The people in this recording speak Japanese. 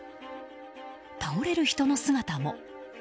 倒れる人の姿も。